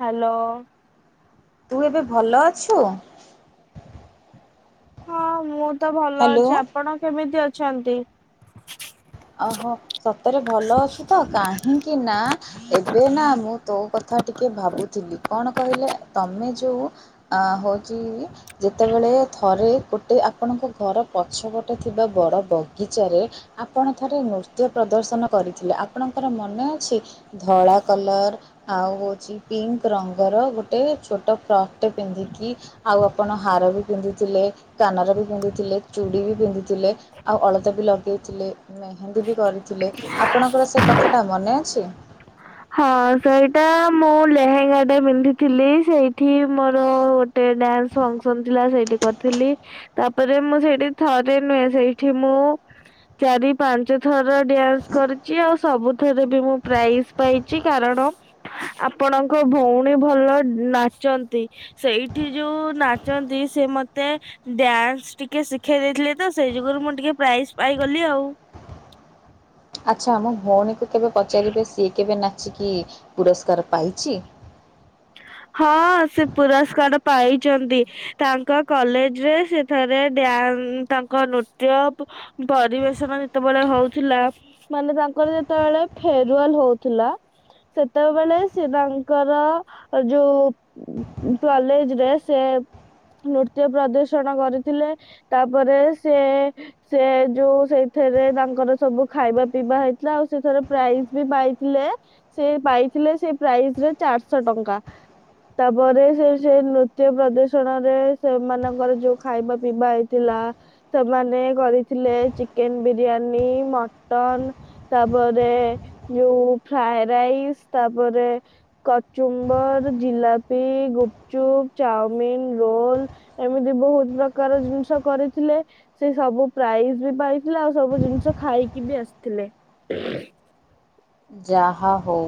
Hello. ତୁ ଏବେ ଭଲ ଅଛୁ। ହଁ ମୁଁ ତ ଭଲ ଅଛି ହ୍ୟାଲୋ। ଆପଣ କେମିତି ଅଛନ୍ତି। ଅ ହ ସତରେ ଭଲ ଅଛୁ ତ କାହିଁକି ନା। ଏବେ ନା ମୁଁ ତୋ କଥା ଟିକିଏ ଭାବୁଥିଲି କଣ କହିଲେ ତମେ ଯୋଉ ଆ ହଉଛି ଯେତେ ବେଳେ ଥରେ ଗୋଟେ ଆପଣଙ୍କ ଘର ପଛପଟେ ଥିବା ବଡ଼ ବଗିଚାରେ ଆ ଆପଣ ଥରେ ନୃତ୍ୟ ପ୍ରଦର୍ଶନ କରିଥିଲେ ଆପଣଙ୍କର ମନେ ଅଛି ଧଳା କଲର। ଆଉ ହଉଛି ପିଙ୍କ ରଙ୍ଗର ଗୋଟେ ଛୋଟ ଫ୍ରକ୍ ଟେ ପିନ୍ଧିକି ଆଉ ଆପଣ ହାର ବି ପିନ୍ଧିଥିଲେ କାନର ବି ପିନ୍ଧିଥିଲେ ଚୁଡ଼ି ବି ପିନ୍ଧିଥିଲେ। ଆଉ ଅଳତା ବି ଲଗେଇଥିଲେ ମେହେନ୍ଦୀ ବି କରିଥିଲେ ଆପଣଙ୍କର ସେ କଥାଟା ମନେ ଅଛି। ହଁ ସେଇଟା ମୁଁ ଲେହେଙ୍ଗା ଟା ପିନ୍ଧିଥିଲି ସେଇଠି ମୋର ଗୋ ଟେଣ୍ଡେ ଆଉ ଫଙ୍କସନ୍‌ ଥିଲା ସେଇଠି କରିଥିଲି। ତାପରେ ମୁଁ ସେଇଠି ଥରେ ନୁହେଁ ସେଇଠି ମୁଁ ଚାରି ପାଞ୍ଚ ଥର ଡ୍ୟାନ୍ସ କରିଛି ଆଉ ସବୁଥରେ ବି ମୁଁ ପ୍ରାଇଜ ପାଇଛି କାରଣ ଆପଣଙ୍କ ଭଉଣୀ ଭଲ ନାଚନ୍ତି। ସେଇଠି ଯୋଉ ନାଚନ୍ତି ସେ ମତେ ଡ୍ୟାନ୍ସ ଟିକେ ଶିଖେଇ ଦେଇଥିଲେ ତ ସେଇ ଯୁଗରୁ ମୁଁ ଟିକେ ପ୍ରାଇଜ ପାଇଗଲି ଆଉ। ଆଚ୍ଛା ମୋ ଭଉଣୀକୁ କେବେ ପଚାରିବେ ସିଏ କେବେ ନାଚିକି ପୁରସ୍କାର ପାଇଛି। ହଁ ସେ ପୁରସ୍କାର ପାଇଚନ୍ତି ତାଙ୍କ କଲେଜ ରେ ସେ ଥରେ ଡ୍ୟା ତାଙ୍କ ନୃତ୍ୟ ପରିବେଷଣ ଯେତେ ବେଳେ ହଉଥିଲା। ମାନେ ତାଙ୍କର ଯେତେ ବେଳେ ଫେରୁୱଲ ହଉଥିଲା। ସେତେ ବେଳେ ସେ ତାଙ୍କର ଏ ଯୋଉ କଲେଜ ରେ ସେ ନୃତ୍ୟ ପ୍ରଦର୍ଶନ କରିଥିଲେ ତାପରେ ସେ ସେ ଯୋଉ ସେଇଥେରେ ତାଙ୍କର ସବୁ ଖାଇବା ପିଇବା ହେଇଥିଲା ଆଉ ସେଷେରେ ପ୍ରାଇଜ ବି ପାଇଥିଲେ। ସେ ପାଇଥିଲେ ସେ ପ୍ରାଇଜୀରେ ଚାରିଶହ ଟଙ୍କା। ତାପରେ ସେ ସେ ନୃତ୍ୟ ପ୍ରଦର୍ଶଣରେ ସେମାନଙ୍କର ଯୋଉ ଖାଇବା ପିଇବା ହେଇଥିଲା। ସେମାନେ କରିଥିଲେ ଚିକେନ ବିରିୟାନୀ ମଟନ। ତାପରେ ଯୋଉ ଫ୍ରାଏ ରାଇସ୍ ତାପରେ କଚୁମ୍ ବର ଜିଲାପି ଗୁପ୍ ଚୁପ୍ ଚାଉମିିନ ରୋଲ୍। ଏମିତି ବହୁତ୍ ପ୍ରକାର ଜିନିଷ କରିଥିଲେ। ସେ ସବୁ ପ୍ରାଇଜ ବି ପାଇଥିଲେ ଆଉ ସବୁ ଜିନିଷ ଖାଇକି ବି ଆସିଥିଲେ। ଯାହା ହଉ‌।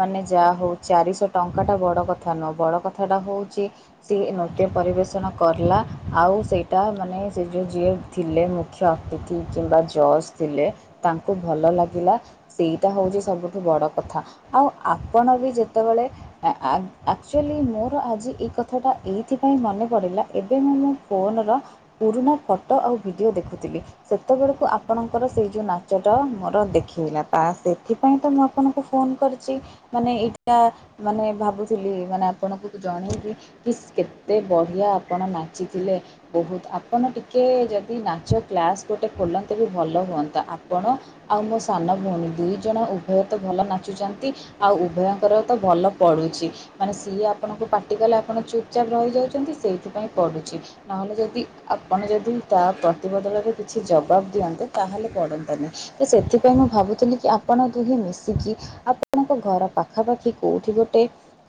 ମାନେ ଯାହା ହଉ ଚାରିଶହ ଟଙ୍କା ଟା ବଡ କଥା ନୁହଁ ବଡ଼ କଥା ଟା ହଉଛି ସିଏ ନୃତ୍ୟ ପରିବେଷଣ ର୍କଲା ଆଉ ସେଇଟା ମାନେ ସେ ଯୋଉ ଯିଏ ଥିଲେ ମୁଖ୍ୟ ଅତିଥି କିମ୍ବା ଜଜ୍ ଥିଲେ ତାଙ୍କୁ ଭଲ ଲାଗିଲା। ସେଇଟା ହଉଛି ସବୁଠୁ ବଡ଼ କଥା ଆଉ ଆପଣ ବି ଯେତେବେଳେ ଆକ୍ଚୁଆଲି ମୋର ଆଜି ଏଇ କଥାଟା ଏଇଥିପାଇଁ ମନେ ପଡ଼ିଲା ଏବେ ମୁଁ ମୁଁ ଫୋନ୍ ର ପୁରୁଣା ଫଟୋ ଆଉ ଭିଡ଼ିଓ ଦେଖୁଥିଲି। ସେତେବେଳକୁ ଆପଣଙ୍କର ସେଇ ଯୋଉ ନାଚଟା ମୋର ଦେଖେଇଲା। ତା ସେ ଥିପାଇଁ ତ ମୁଁ ଆପଣଙ୍କୁ ଫୋନ୍ କରିଚି। ମାନେ ଏଇଟା ମାନେ ଭାବୁଥିଲି ମାନେ ଆପଣଙ୍କୁ ଜଣେଇବି କି କେତେ ବଢିଆ ଆପଣ ନାଚିଥିଲେ। ବହୁତ, ଆପଣ ଟିକେ ଯଦି ନାଚ କ୍ଲାସ ଗୋଟେ ଖୋଲନ୍ତେ ବି ଭଲ ହୁଅନ୍ତା। ଆପଣ ଆଉ ମୋ ସାନ ଭଉଣୀ, ଦୁଇ ଜଣ ଉଭୟ ତ ଭଲ ନାଚୁଛନ୍ତି, ଆଉ ଉଭୟଙ୍କର ତ ଭଲ ପଡୁଚି। ମାନେ ସିଏ ଆପଣଙ୍କୁ ପାଟି କଲେ ଆପଣ ଚୁପଚାପ୍ ରହିଯାଉଛନ୍ତି, ସେଇଥିପାଇଁ ପଡ଼ୁଚି। ନହେଲେ ଯଦି, ଆପଣ ଯଦି ତା ପ୍ରତିବଦଳରେ କିଛି ଜବାବ ଦିଅନ୍ତେ ତାହେଲେ ପଡନ୍ତାନି, ତ ସେଥିପାଇଁ ମୁଁ ଭାବୁଥିଲି କି ଆ ଆପଣ ଦୁହେଁ ମିଶିକି, ଆପଣଙ୍କ ଘର ପାଖାପାଖି କୋଉଠି ଗୋଟେ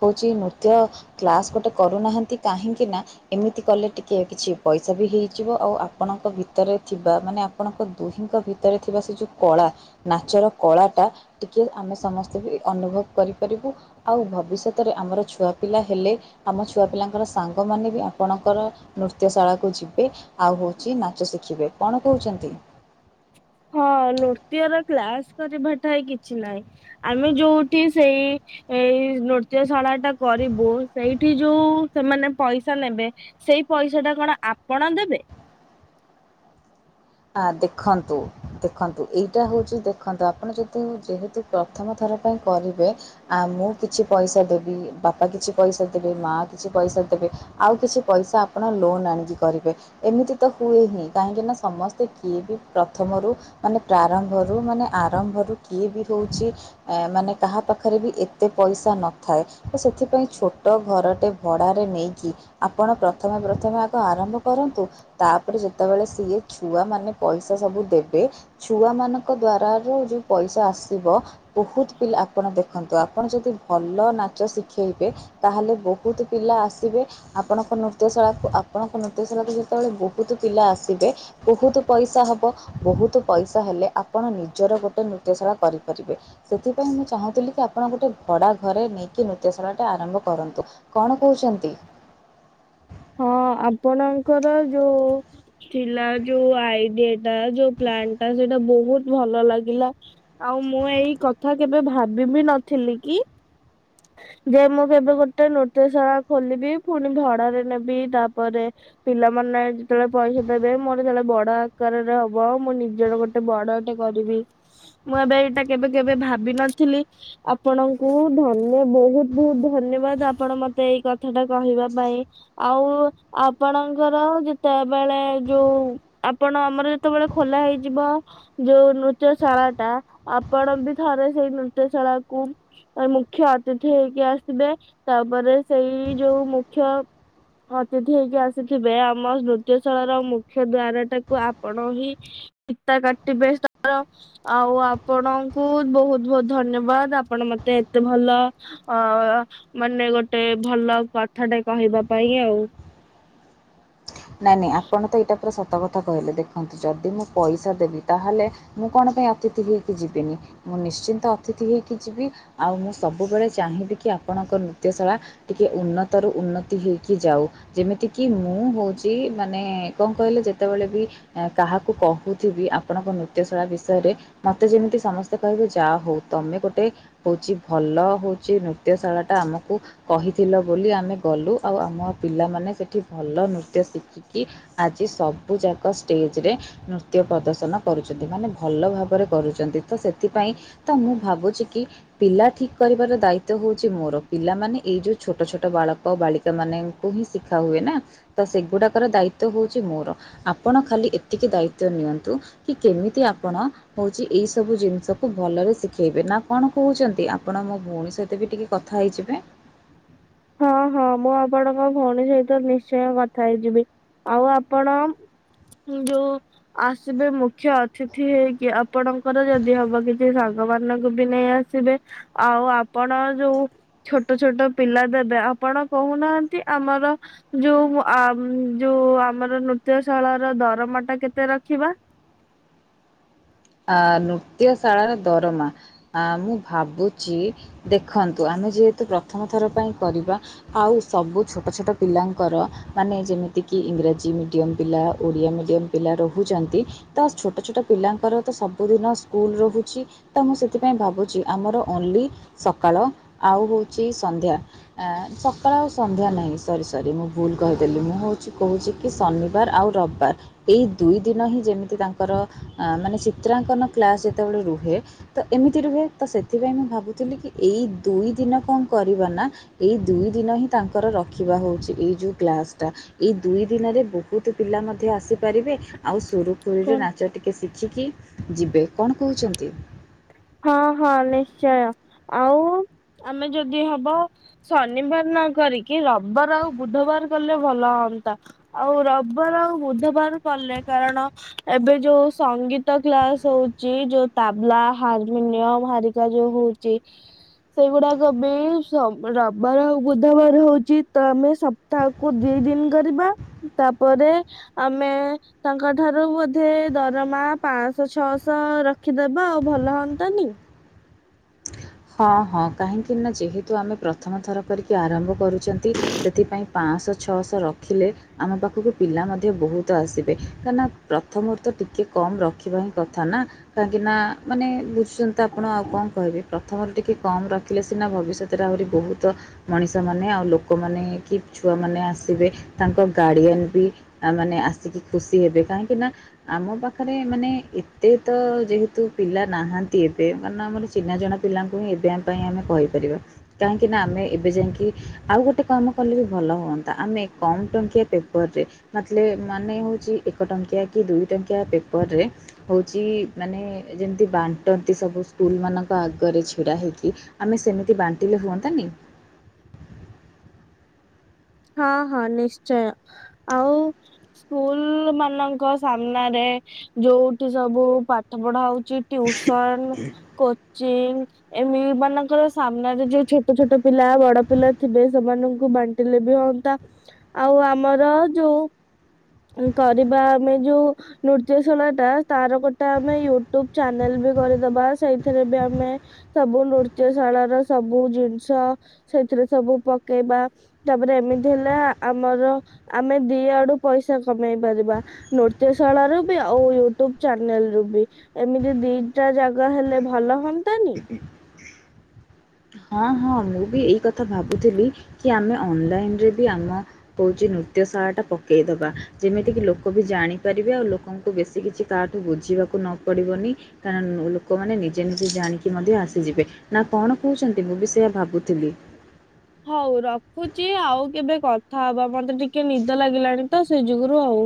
ହଉଛି ନୃତ୍ୟ କ୍ଲାସ ଗୋଟେ କରୁନାହାନ୍ତି, କାହିଁକି ନା ଏମିତି କଲେ ଟିକେ କିଛି ପଇସା ବି ହେଇଯିବ, ଆଉ ଆପଣଙ୍କ ଭିତରେ ଥିବା ମାନେ ଆପଣଙ୍କ ଦୁହିଁଙ୍କ ଭିତରେ ଥିବା ସେ ଯୋଉ କଳା, ନାଚର କଳାଟା ଟିକେ ଆମେ ସମସ୍ତେ ବି ଅନୁଭବ କରିପାରିବୁ। ଆଉ ଭବିଷ୍ୟତରେ ଆମର ଛୁଆ ପିଲା ହେଲେ ଆମ ଛୁଆ ପିଲାଙ୍କର ସାଙ୍ଗମାନେ ବି ଆପଣଙ୍କର ନୃତ୍ୟଶାଳାକୁ ଯିବେ। ଆଉ ହଉଛି ନାଚ ଶିଖିବେ, କଣ କହୁଚନ୍ତି? ହଁ ନୃତ୍ୟର କ୍ଲାସ କରିବା ଠାଇ କିଛି ନାହିଁ। ଆମେ ଯୋଉଠି ସେଇ ଏଇ ନୃତ୍ୟଶାଳାଟା କରିବୁ, ସେଇଠି ଯୋଉ ସେମାନେ ପଇସା ନେବେ ସେଇ ପଇସାଟା କଣ ଆପଣ ଦେବେ? ଆ ଦେଖନ୍ତୁ ଦେଖନ୍ତୁ ଏଇଟା ହେଉଛି ଦେଖନ୍ତୁ, ଆପଣ ଯଦି ଯେହେତୁ ପ୍ରଥମ ଥର ପାଇଁ କରିବେ ଆ ମୁଁ କିଛି ପଇସା ଦେବି, ବାପା କିଛି ପଇସା ଦେବେ, ମା କିଛି ପଇସା ଦେବେ, ଆଉ କିଛି ପଇସା ଆପଣ ଲୋନ୍ ଆଣିକି କରିବେ। ଏମିତି ତ ହୁଏ ହିଁ, କାହିଁକିନା ସମସ୍ତେ ସ୍ତେ କିଏ ବି ପ୍ରଥମରୁ, ମାନେ ପ୍ରାରମ୍ଭରୁ ମାନେ ଆରମ୍ଭରୁ କିଏ ବି ହେଉଚି ଏ ମାନେ କାହା ପାଖରେ ବି ଏତେ ପଇସା ନଥାଏ, ତ ସେଥିପାଇଁ ଛୋଟ ଘରଟେ ଭଡ଼ାରେ ନେଇକି, ଆପଣ ପ୍ରଥମେ ପ୍ରଥମେ ଆଗ ଆରମ୍ଭ କରନ୍ତୁ। ତାପରେ ଯେତେବେଳେ ସିଏ ଛୁଆ ମାନେ ପଇସା ସବୁ ଦେବେ ଛୁଆମାନଙ୍କ ଦ୍ଵାରା ରେ ଯୋଉ ପଇସା ଆସିବ ବହୁତ ପିଲା ଆପଣ ଦେଖନ୍ତୁ, ଆପଣ ଯଦି ଭଲ ନାଚ ଶିଖେଇବେ ତାହେଲେ ବହୁତ ପିଲା ଆସିବେ। ଆପଣଙ୍କ ନୃତ୍ୟଶାଳାକୁ, ଆପଣଙ୍କ ନୃତ୍ୟଶାଳାକୁ ଯେତେବେଳେ ବହୁତ ପିଲା ଆସିବେ ବହୁତ ପଇସା ହବ, ବହୁତ ପଇସା ହେଲେ ଆପଣ ନିଜର ଗୋଟେ ନୃତ୍ୟଶାଳା କରିପାରିବେ। ସେଥିପାଇଁ ମୁଁ ଚାହୁଁଥିଲି କି, ଆପଣ ଗୋଟେ ଭଡା ଘରେ ନେଇକି ନୃତ୍ୟଶାଳାଟା ଆରମ୍ଭ କରନ୍ତୁ। କଣ କହୁଛନ୍ତି? ହଁ ଆପଣଙ୍କର ଯୋଉ ଥିଲା ଯୋଉ ଆଇଡିଆଟା, ଯୋଉ ପ୍ଲାନଟା ସେଇଟା ବହୁତ ଭଲ ଲାଗିଲା। ଆଉ ମୁଁ ଏଇ କଥା କେବେ ଭାବିବି ନଥିଲି କି ଯେ ମୁଁ କେବେ ଗୋଟେ ନୃତ୍ୟଶାଳା ଖୋଲିବି, ପୁଣି ଭଡ଼ାରେ ନେ ବି ତାପରେ ପିଲାମାନେ ଯେତେବେଳେ ପଇସା ଦେବେ, ମୋର ଯେତେବେଳେ ବଡ ଆକାରରେ ହବ। ମୁଁ ନିଜର ଗୋ ଟେ ବଡଟେ କରିବି। ମୁଁ ଏବେ ଏଇଟା କେବେ କେବେ ଭାବିନଥିଲି ଆପଣଙ୍କୁ ଧନ୍ୟ ବହୁତ ବହୁତ ଧନ୍ୟବାଦ, ଆପଣ ମତେ ଏଇ କଥା ଟା କହିବା ପାଇଁ। ଆଉ ଆପଣଙ୍କର ଯେତେବେଳେ ଯୋଉ ଆପଣ ଆମର ଯେତେବେଳେ ଖୋଲା ହେଇଯିବ। ଯୋଉ ନୃତ୍ୟଶାଳାଟା, ଆପଣ ବି ଥରେ ସେଇ ନୃତ୍ୟଶାଳାକୁ ମୁଖ୍ୟ ଅତିଥି ହେଇକି ଆସିବେ, ତାପରେ ସେଇ ଯୋଉ ମୁଖ୍ୟ ଅତିଥି ହେଇକି ଆସିଥିବେ ଆମ ନୃତ୍ୟଶାଳାର ମୁଖ୍ୟ ଦ୍ୱାର ଟାକୁ ଆପଣ ହିଁ ଫିତା କାଟିିବେ ଶ [unintelligible] ର। ଆଉ ଆପଣଙ୍କୁ ବହୁତ ବହୁତ ଧନ୍ୟବାଦ ଆପଣ ମତେ ଏତେ ଭଲ ଅ ମାନେ ଗୋଟେ ଭଲ କଥାଟେ କହିବା ପାଇଁ ଆଉ। ନାଇଁ ନାଇଁ ଆପଣ ତ ଏଇଟା ପୁରା ସତ କଥା କହିଲେ ଦେଖନ୍ତୁ ଯଦି ମୁଁ ପଇସା ଦେବି ତାହେଲେ ମୁଁ କଣ ପାଇଁ ଅତିଥି ହେକି ଯିବିନି। ମୁଁ ନିଶ୍ଚିନ୍ତ ଅତିଥି ହେଇକି ଯିବି ଆଉ ମୁଁ ସବୁବେଳେ ଚାହିଁବି କି ଆପଣଙ୍କ ନୃତ୍ୟଶାଳା ଟିକେ ଉନ୍ନତ ରୁ ଉନ୍ନତି ହେଇକି ଯାଉ ଯେମିତି କିି ମୁଁ ହଉଛି। ମାନେ କଣ କହିଲେ ଯେତେବେଳେ ବି କାହାକୁ କହୁଥିବି ଆପଣଙ୍କ ନୃତ୍ୟଶାଳା ବିଷୟରେ। ମତେ ଯେମିତି ସମସ୍ତେ କହିବେ ଯାହା ହଉ ତମେ ଗୋଟେ ହଉଛି ଭଲ ହଉଛି ନୃତ୍ୟଶାଳା ଟା ଆମକୁ କହିଥିଲ ବୋଲି ଆମେ ଗଲୁ ଆଉ ଆମ ପିଲାମାନେ ସେଠି ଭଲ ନୃତ୍ୟ ଶିଖିକି ଆଜି ସବୁ ଯାକ ଷ୍ଟେଜ ରେ ନୃତ୍ୟ ପ୍ରଦର୍ଶନ କରୁଛନ୍ତି, ମାନେ ଭଲ ଭାବରେ କରୁଛନ୍ତି ତ ସେଥିପାଇଁ ତ ମୁଁ ଭାବୁଛି କି ପିଲା ଠିକ କରିବାର ଦାୟିତ୍ଵ ହଉଛି ମୋର ପିଲାମାନେ ଏଇ ଯୋଉ ଛୋଟ ଛୋଟ ବାଳକ ଆଉ ବାଳିକା ସେମାନଙ୍କୁ ହିଁ ଶିଖା ହୁଏ ନା ତ ସେଗୁଡାକର ଦାୟିତ୍ଵ ହଉଛି ମୋର। ଆପଣ ଖାଲି ଏତିକି ଦାୟିତ୍ଵ ନିଅନ୍ତୁ କି କେମିତି ଆପଣ ହଉଛି ଏଇ ସବୁ ଜିନିଷ କୁ ଭଲରେ ଶିଖେଇବେ ନା କଣ କହୁଛନ୍ତି ଆପଣ ମୋ ଭଉଣୀ ସହିତ ବି ଟିକେ କଥା ହେଇଯିବେ। ହଁ ହଁ ମୁଁ ଆପଣଙ୍କ ଭଉଣୀ ସହିତ ନିଶ୍ଚୟ କଥା ହେଇଯିବି ଆଉ ଆପଣ ଯୋଉ ଆସିବେ ମୁଖ୍ୟ ଅତିଥି ହେଇକି ଆପଣଙ୍କର ଯଦି ହବ କିଛି ସାଙ୍ଗ ମାନଙ୍କୁ ବି ନେଇ ଆସି ଆସିବେ ଆଉ ଆପଣ ଯୋଉ ଛୋଟ ଛୋଟ ପିଲା ଦେବେ ଏ ଆପଣ କହୁନାହାନ୍ତି ଆମର ଯୋଉ ଯୋଉ ଆମର ନୃତ୍ୟସାଳା ର ଦରମାଟା କେତେ ରଖିବା? ଆ ନୃତ୍ୟ ଶାଳାର ଦରମା। ଆ ମୁଁ ଭାବୁଛି ଦେଖନ୍ତୁ ଆମେ ଯେହେତୁ ପ୍ରଥମଥର ପାଇଁ କରିବା ଆଉ ସବୁ ଛୋଟ ଛୋଟ ପିଲାଙ୍କର ମାନେ ଯେମିତିକି ଇଂରାଜୀ ମିଡ଼ିୟମ୍ ପିଲା ଓଡ଼ିଆ ମିଡ଼ିୟମ୍ ପିଲା ରହୁଛନ୍ତି। ତ ଛୋଟ ଛୋଟ ପିଲାଙ୍କର ତ ସବୁଦିନ ସ୍କୁଲ ରହୁଛି ତ ମୁଁ ସେଥିପାଇଁ ଭାବୁଛି ଆମର ଓନ୍ଲି ସକାଳ ଆଉ ହଉଛି ସନ୍ଧ୍ୟା। ଆ ସକାଳ ଆଉ ସନ୍ଧ୍ୟା ନାହିଁ ସରି ସରି ମୁଁ ଭୁଲ କହିଦେଲି ମୁଁ ହଉଛି କହୁଛି କି ଶନିବାର ଆଉ ରବିବାର ଏଇ ଦୁଇ ଦିନ ହିଁ ଯେମିତି ତାଙ୍କର ମାନେ ଚିତ୍ରାଙ୍କନ କ୍ଲାସ୍ ଯେତେବେଳେ ରୁହେ। ତ ଏମିତି ରୁହେ ତ ସେଥିପାଇଁ ମୁଁ ଭାବୁଥିଲି କି ଏଇ ଦୁଇ ଦିନ କଣ କରିବା ନା ଏଇ ଦୁଇ ଦିନ ହିଁ ତାଙ୍କର ରଖିବା ହଉଛି ଏଇ ଯୋଉ କ୍ଲାସ ଟା। ଏଇ ଦୁଇ ଦିନରେ ବହୁତ ପିଲା ମଧ୍ୟ ଆସିପାରିବେ ଆଉ ସୂରୁ ଖୁରୁ ରେ କଣ ନାଚ ଟିକେ ଶିଖିକି ଯିବେ କଣ କହୁଛନ୍ତି? ହଁ ହଁ ନିଶ୍ଚୟ ଆଉ ଆମେ ଯଦି ହବ ଶନିବାର ନ କରିକି ରବିବାର ଆଉ ବୁଧବାର କଲେ ଭଲ ହୁଅନ୍ତା। ଆଉ ରବିବାର ଆଉ ବୁଧବାର କଲେ କାରଣ ଏବେ ଯୋଉ ସଙ୍ଗୀତ କ୍ଲାସ ହଉଛି ଯୋଉ ତାବଲା ହାରମିନିୟମ ହାରିକା ଯୋଉ ହଉଛି। ସେଇଗୁଡାକ ବି ରବିବାର ଆଉ ବୁଧବାର ହଉଛି ତ ଆମେ ସ ତାକୁ ଦି ଦିନ୍ କରିବା ତାପରେ ଆମେ ତାଙ୍କଠାରୁ ବୋଧେ ଦରମା ପାଂଶ ଛଅଶ ରଖିଦବା ଆଉ ଭଲ ହଅନ୍ତାନି। ହଁ ହଁ କାହିଁକି ନା ଯେହେତୁ ଆମେ ପ୍ରଥମ ଥର କରିକି ଆରମ୍ଭ କରୁଛନ୍ତି। ସେଥିପାଇଁ ପାଆଁଶ ଛଅଶ ରଖିଲେ। ଆମ ପାଖକୁ ପିଲା ମଧ୍ୟ ବହୁତ ଆସିବେ କାହିଁକିନା ପ୍ରଥମରୁ ତ ଟିକେ କମ ରଖିବା ହିଁ କଥା ନା। କାହିଁକି ନା ମାନେ ବୁଝୁଛନ୍ତି ତ ଆପଣ ଆଉ କଣ କହିବି। ପ୍ରଥମରୁ ଟିକେ କମ୍ ରଖିଲେ ସିନା ଭବିଷ୍ୟତ ରେ ଆହୁରି ବହୁତ। ମଣିଷ ମାନେ ଆଉ ଲୋକମାନେ କି ଛୁଆମାନେ ଆସିବେ ତାଙ୍କ ଗାର୍ଡିଅନ ବି। ଆ ମାନେ ଆସିକି ଖୁସି ହେବେ କାହିଁକି ନା। ଆମ ପାଖରେ ମାନେ ଏତେ ତ ଯେହେତୁ ପିଲା ନାହାନ୍ତି ଏବେ ମାନେ ଆମର ଚିହ୍ନା ଜଣା। ପିଲାଙ୍କୁ ହିଁ ଏବେ ଆମ ପାଇଁ ଆମେ କହିପାରିବା। କାହିଁକିନା ଆମେ ଏବେ ଯାଇଙ୍କି ଆଉ ଗୋଟେ କାମ କଲେ ବି ଭଲ ହୁଅନ୍ତା ଆମେ କମ୍ ଟଙ୍କିଆ ପେପରରେ। ମତଲେ ମାନେ ହଉଛି ଏକ ଟଙ୍କିଆ କି ଦୁଇ ଟଙ୍କିଆ ପେପର ରେ। ହଉଛି ମାନେ ଯେମିତି ବାଣ୍ଟନ୍ତି ସବୁ ସ୍କୁଲ ମାନଙ୍କ ଆଗ କରି ଛିଡ଼ା ହେଇକି ଆମେ ସେମିତି ବାଣ୍ଟିଲେ ହୁଅନ୍ତାନି। ହଁ ହଁ ନିଶ୍ଚୟ ଆଉ ସ୍କୁଲ ମାନଙ୍କ ସାମ୍ନାରେ ଯୋଉଠି ସବୁ ପାଠ ପଢା ହଉଛି। Tuition, coaching. ଏମି ମାନଙ୍କର ସାମ୍ନାରେ ଯୋଉ ଛୋଟ ଛୋଟ ପିଲା ବଡ ପିଲା ଥିବେ ସେମାନଙ୍କୁ ବାଣ୍ଟିଲେ। ହୁଅନ୍ତା ଆଉ ଆମର ଯୋଉ କରିବା ଆମେ ଯୋଉ। ନୃତ୍ୟଶାଳା ଟା ତାର ଗୋଟେ ଆମେ ୟୁଟ୍ୟୁବ ଚ୍ୟାନେଲ ବି କରିଦବା ସେଇଥିରେ ବି ଆମେ। ସବୁ ନୃତ୍ୟଶାଳ ର ସବୁ ଜିନିଷ ସେଥିରେ ସବୁ ପକେଇବା। ତାପରେ ଏମିତି ହେଲେ ଆମର ଆମେ ଦି ଆଡୁ ପଇସା କମେଇ ପାରିବା। ନୃତ୍ୟଶାଳ ରୁ ବି ଆଉ ୟୁଟ୍ୟୁବ ଚ୍ୟାନେଲ ରୁ ବି। ଏମିତି ଦିଟା ଜାଗା ହେଲେ ଭଲ ହୁଅନ୍ତାନୀ। ହଁ ହଁ ମୁଁ ବି ଏଇ କଥା ଭାବୁଥିଲି କି ଆମେ ଅନଲାଇନରେ ବି ଆମ କହୁଛିି ନୃତ୍ୟ ସାଳା ଟା ପକେଇ ଦବା ଯେମିତି କିି ଲୋକ ବି ଜାଣିପାରିବେ ଆଉ ଲୋକଙ୍କୁ ବେଶୀ କିଛି କାହାଠୁ ବୁଝିବାକୁ ନ ପଡିବନି। କାରଣ ଲୋକମାନେ ନିଜେ ନିଜେ ଜାଣିକି ମଧ୍ୟ ଆସିଯିବେ ନା କଣ କହୁଛନ୍ତି ମୁଁ ବି ସେଇଆ ଭାବୁଥିଲି। ହଉ ରଖୁଛି ଆଉ କେବେ କଥା ହବା ମତେ ଟିକେ ନିଦ ଲାଗିଲାଣି ତ ସେ ଯୋଗୁରୁ ଆଉ।